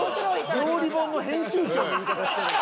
料理本の編集長の言い方してる。